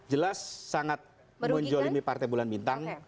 jelas sangat menjolimi partai bulan bintang